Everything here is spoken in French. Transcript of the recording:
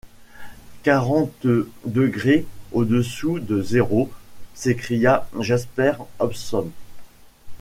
quarante degré au-dessous de zéro, s’écria Jasper Hobson.